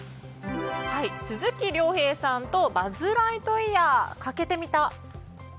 鈴木亮平さんとバズ・ライトイヤーかけてみた！